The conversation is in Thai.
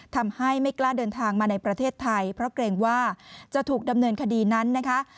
ไม่กล้าเดินทางมาในประเทศไทยเพราะเกรงว่าจะถูกดำเนินคดีนั้นนะคะ